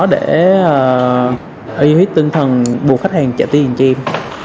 để uy hiếp tinh thần buộc khách hàng trả tiền cho em